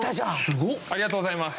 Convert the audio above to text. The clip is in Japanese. ありがとうございます。